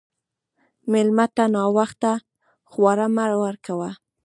مېلمه ته ناوخته خواړه مه ورکوه.